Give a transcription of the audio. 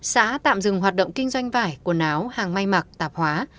xã tạm dừng hoạt động kinh doanh vải quần áo hàng may mặc tạp hóa